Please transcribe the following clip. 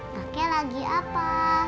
kakek lagi apa